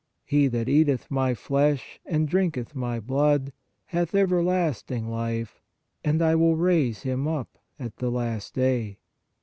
He that eateth My flesh, and drinketh My blood, hath everlasting life ; and I will raise him up at the last day."